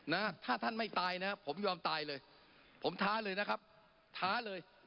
นะถ้าท่านไม่ตายนะผมยอมตายเลยผมท้าเลยนะครับท้าเลย